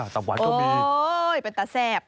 ตับหวานก็มีโอ้ยเป็นตาแซ่บ